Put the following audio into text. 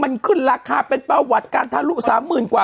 มันขึ้นราคาเป็นประวัติการทะลุ๓๐๐๐กว่า